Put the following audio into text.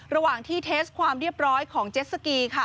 ระหว่างที่เทสความเรียบร้อยของเจ็ดสกีค่ะ